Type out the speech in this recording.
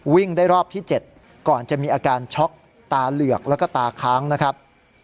วิ่งได้รอบที่๗ก่อนจะมีอาการช็อกตาเหลือกแล้วก็ตาค้างนะครับ